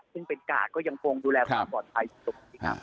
ซึ่งเป็นกาศก็ยังคงดูแลความปลอดภัยสุด